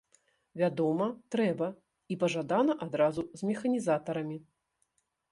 Вядома, трэба, і пажадана адразу з механізатарамі!